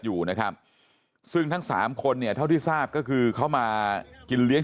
อยู่นะครับซึ่งทั้งสามคนเนี่ยเท่าที่ทราบก็คือเขามากินเลี้ยง